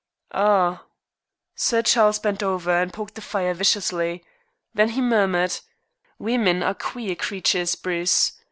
"Ah!" Sir Charles bent over and poked the fire viciously. Then he murmured: "Women are queer creatures, Bruce.